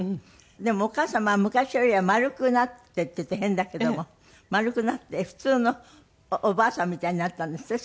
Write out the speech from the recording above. でもお母様は昔よりは丸くなってっていうと変だけども丸くなって普通のおばあさんみたいになったんですって？